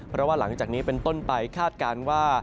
เพราะว่าหลังจากนี้เป็นต้นไปคาดการณ์ว่า